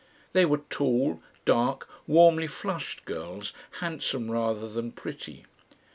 They were tall, dark, warmly flushed girls handsome rather than pretty.